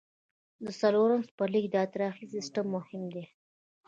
د څلورم څپرکي د اطراحي سیستم مهم دی.